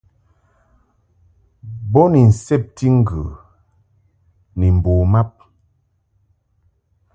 Bo ni nsebti ŋgə ni mbo mab.